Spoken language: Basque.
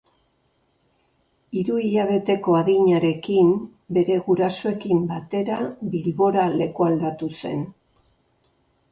Hiru hilabeteko adinarekin bere gurasoekin batera Bilbora lekualdatu zen.